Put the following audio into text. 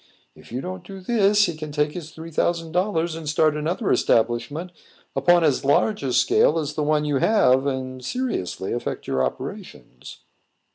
If you don't do this, he can take his three thousand dollars and start another establishment upon as large a scale as the one you have, and seriously affect your operations."